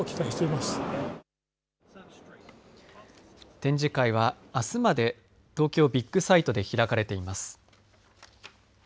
展示会はあすまで東京ビッグサイトで開かれています。